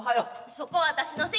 そこ私の席！